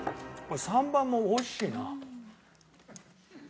３番も美味しいな。